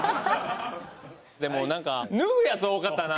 でも何か脱ぐやつ多かったな。